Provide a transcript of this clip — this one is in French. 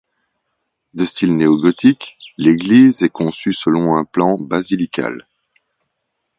De style néogothique, l'église est conçue selon un plan basilical.